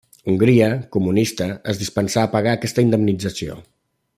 Hongria, comunista, es dispensà a pagar aquesta indemnització.